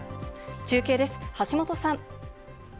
中継です、橋本さん。